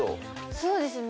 そうですね。